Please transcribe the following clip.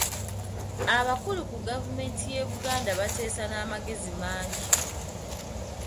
Abakulu ku Gavumenti y'e Buganda baateesa n'amagezi mangi.